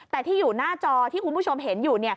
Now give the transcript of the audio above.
แต่ที่อยู่หน้าจอที่คุณผู้ชมเห็นอยู่